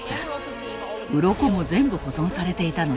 うろこも全部保存されていたのです。